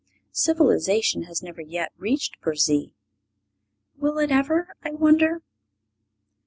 Civilization has never yet reached Burzee. Will it ever, I wonder?